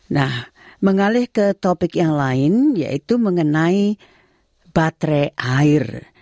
nah mengalih ke topik yang lain yaitu mengenai baterai air